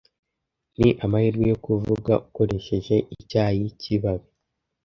ni amahirwe yo kuvuga ukoresheje icyayi kibabi